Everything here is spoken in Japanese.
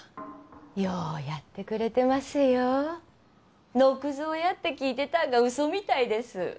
ようやってくれてますよのく蔵やって聞いてたんが嘘みたいです